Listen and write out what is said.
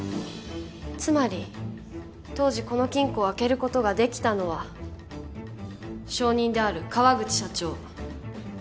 つまり当時この金庫を開けることができたのは証人である川口社長